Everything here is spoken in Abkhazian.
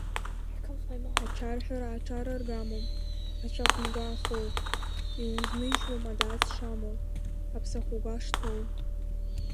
Ачарҳәара аҽараргамом, ацәа хәынга ахоуп, иузныжьуам адац шамоу, аԥсахәага шҭоу.